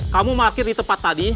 kamu makir di tempat tadi